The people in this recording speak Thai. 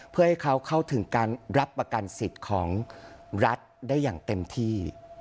เพื่อให้เขาเข้าถึงการรับประกันสิทธิ์ของรัฐได้อย่างเต็มที่